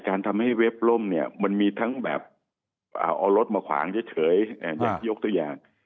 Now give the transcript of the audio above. การทำให้เว็บล่มมันมีทั้งแบบเอารถมาขวางเฉยยกตัวอย่าง